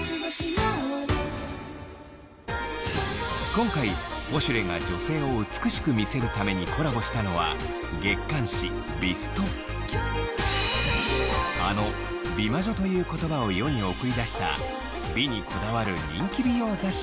今回『ポシュレ』が女性を美しく見せるためにコラボしたのは月刊誌『美ＳＴ』あの「美魔女」という言葉を世に送り出した